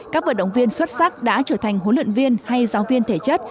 các vận động viên xuất sắc đã trở thành huấn luyện viên hay giáo viên thể chất